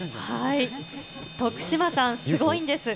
徳島さん、すごいんです。